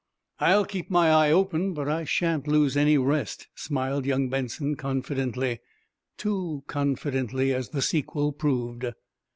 "I'll keep my eye open, but I shan't lose any rest," smiled young Benson, confidently too confidently, as the sequel proved.